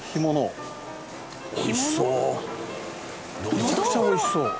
めちゃくちゃ美味しそう。